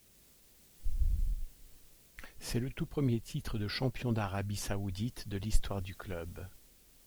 C'est le tout premier titre de champion d'Arabie saoudite de l'histoire du club.